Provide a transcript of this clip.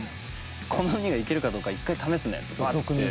「このウニがいけるかどうか一回試すね」って言って。